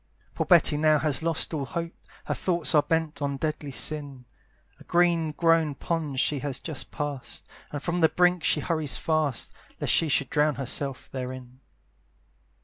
Poor Betty now has lost all hope, Her thoughts are bent on deadly sin; A green grown pond she just has pass'd, And from the brink she hurries fast, Lest she should drown herself therein.